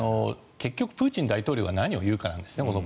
結局プーチン大統領が何を言うかなんですね。